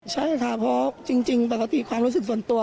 ใช้อาทารพพกษ์จริงปกติความรู้สึกส่วนตัว